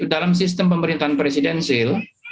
dalam sistem pemerintahan presidensil